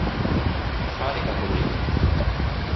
Fare capolino.